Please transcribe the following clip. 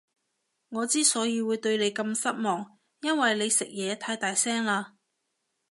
我之所以會對你咁失望，因為你食嘢太大聲喇